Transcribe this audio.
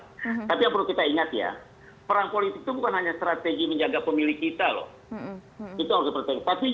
kita ingat ya perang politik itu bukan hanya strategi menjaga pemilih kita loh itu seperti